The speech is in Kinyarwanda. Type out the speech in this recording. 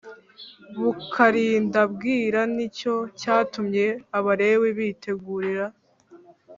bukarinda bwira Ni cyo cyatumye Abalewi bitegurira